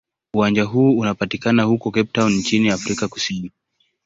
Uwanja huu unapatikana huko Cape Town nchini Afrika Kusini.